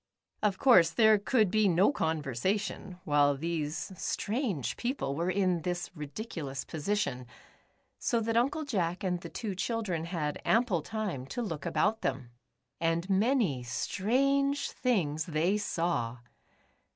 Of course, there could be no conversation, while these strange people were in this ridiculous position, so that Uncle Jack and the two children had ample time to look about them. And many strange things they saw.